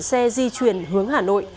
xe di chuyển hướng hà nội